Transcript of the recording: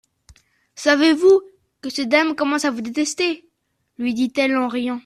Savez-vous que ces dames commencent à vous détester ? lui dit-elle en riant.